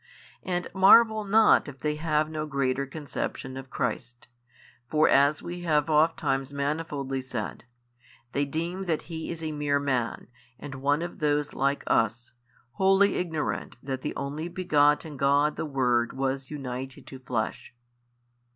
And marvel not if they have no greater conception of Christ: for as we have ofttimes manifoldly said, they deem that He is a mere Man and one of those like us, wholly ignorant that the Only Begotten God the Word was united to flesh.